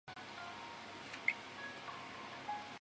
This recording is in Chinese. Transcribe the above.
相关单位并于一周后完成更名作业。